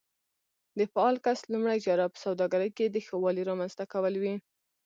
د فعال کس لومړۍ چاره په سوداګرۍ کې د ښه والي رامنځته کول وي.